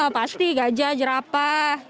pasti gajah jerapah